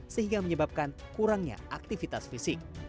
sehingga menyebabkan kurangnya aktivitas fisik